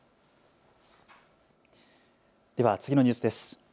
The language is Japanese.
では次のニュースです。